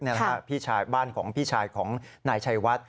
ในบ้านของพี่ชายของนายชัยวัด